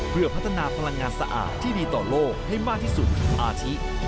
เพื่อพัฒนาพลังงานสะอาดที่มีต่อโลกให้มากที่สุดอาชิ